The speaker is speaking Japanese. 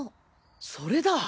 それだ！